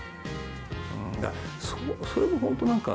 それもホントなんか。